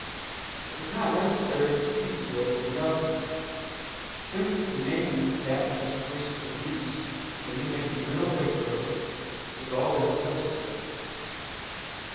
It is not necessary to use the Will with an effort. Simply commanding that which you wish to produce and then making the mental picture of it is all that is necessary.